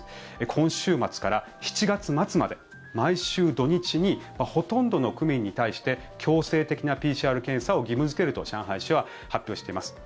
今週末から７月末まで毎週土日にほとんどの区民に対して強制的なＰＣＲ検査を義務付けると上海市は発表しています。